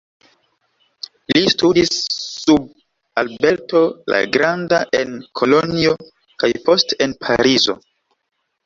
Li studis sub Alberto la Granda en Kolonjo kaj poste en Parizo.